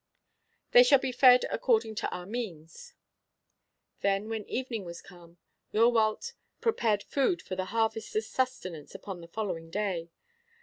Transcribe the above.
They shall be fed according to our means." Then when evening was come Eurwallt prepared food for the harvesters' sustenance upon the following day.